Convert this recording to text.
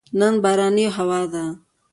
نن بارانې هوا ده